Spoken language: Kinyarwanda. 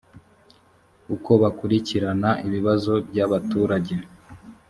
uko bakurikirana ibibazo byabaturage